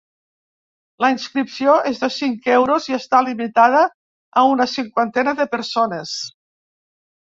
La inscripció és de cinc euros i està limitada a una cinquantena de persones.